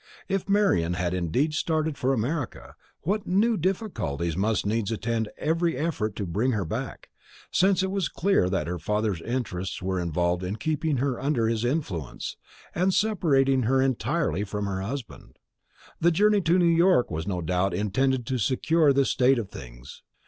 If Marian had indeed started for America, what new difficulties must needs attend every effort to bring her back; since it was clear that her father's interests were involved in keeping her under his influence, and separating her entirely from her husband. The journey to New York was no doubt intended to secure this state of things.